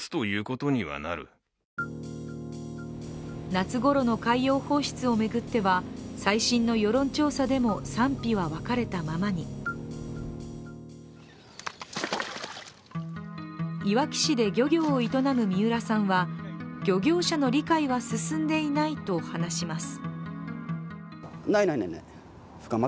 夏ごろの海洋放出を巡っては最新の世論調査でも、賛否は分かれたままにいわき市で漁業を営む三浦さんは漁業者の理解は進んでいないと話します。